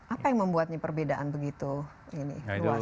apa yang membuatnya perbedaan begitu luas ya